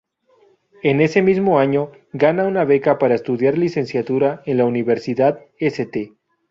En ese mismo año, gana una beca para estudiar literatura en la Universidad St.